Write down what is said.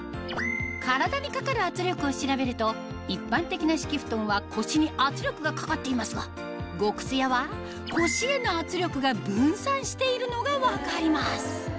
体にかかる圧力を調べると一般的な敷布団は腰に圧力がかかっていますが「極すや」は腰への圧力が分散しているのが分かります